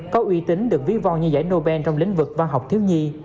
chính được viết vong như giải nobel trong lĩnh vực văn học thiếu nhi